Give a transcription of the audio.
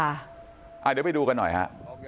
เดี๋ยวไปดูกันหน่อยฮะ